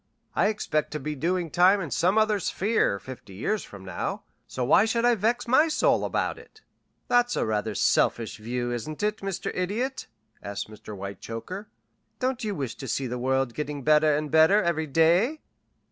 I expect to be doing time in some other sphere fifty years from now, so why should I vex my soul about it?" "That's rather a selfish view, isn't it, Mr. Idiot?" asked Mr. Whitechoker. "Don't you wish to see the world getting better and better every day?"